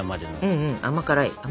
うんうん甘辛い？